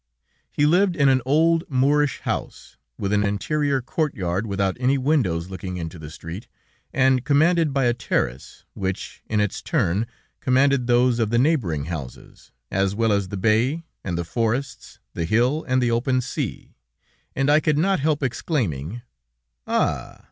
He lived in an old Moorish house, with an interior courtyard, without any windows looking into the street, and commanded by a terrace, which, in its turn, commanded those of the neighboring houses, as well as the bay, and the forests, the hill, and the open sea, and I could not help exclaiming: "Ah!